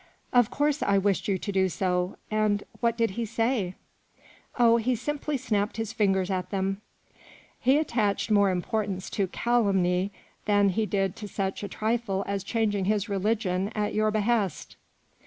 " Of course I wished you to do so. And what did he say ?" 44 Oh, he simply snapped his fingers at them. He attached 110 more importance to calumny than he did to such a trifle as changing his religion at your hehest."